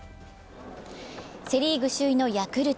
セ・リーグ首位のヤクルト。